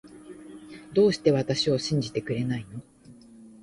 どうして私を信じてくれないの